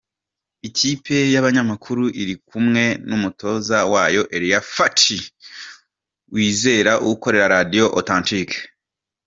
Ikipe y’ abanyamakuru iri kumwe n’ umutoza wayo Elie Fatty Kwizera ukorera Radio Authentique.